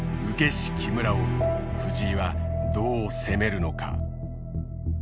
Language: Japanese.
師木村を藤井はどう攻めるのか？